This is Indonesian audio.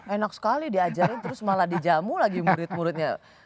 enak sekali diajarin terus malah dijamu lagi murid muridnya